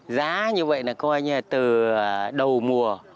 giá như vậy là coi như là từ đầu mùa